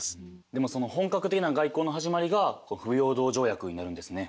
でもその本格的な外交の始まりが不平等条約になるんですね。